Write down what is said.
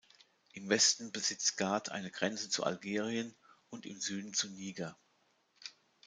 Im Westen besitzt Ghat eine Grenze zu Algerien und im Süden zu Niger.